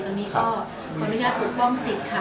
ตอนนี้ก็ขออนุญาตปกป้องสิทธิ์ค่ะ